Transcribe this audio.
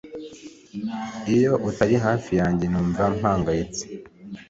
iyo utari hafi yanjye numva mangayitse